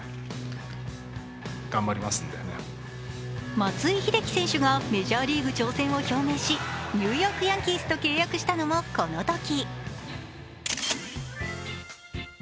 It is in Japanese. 松井秀喜選手がメジャーリーグ挑戦を表明し、ニューヨーク・ヤンキースと契約したのもこのとき。